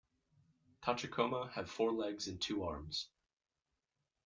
Tachikoma have four legs and two arms.